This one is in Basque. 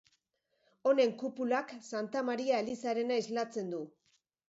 Honen kupulak, Santa Maria elizarena islatzen du.